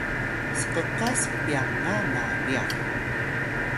sqqas pyanga na ryax